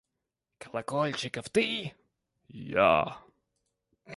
Колокольчиков, ты? – Я.